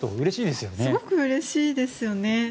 すごくうれしいですよね。